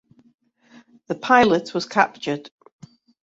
The pilot was captured.